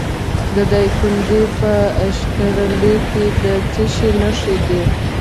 د دایکنډي په اشترلي کې د څه شي نښې دي؟